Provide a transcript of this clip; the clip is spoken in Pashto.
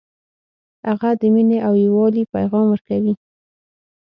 هغه د مینې او یووالي پیغام ورکوي